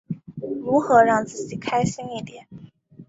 如何让自己开心一点？